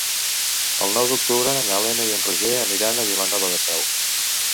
El nou d'octubre na Lena i en Roger aniran a Vilanova de Sau.